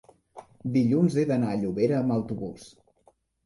dilluns he d'anar a Llobera amb autobús.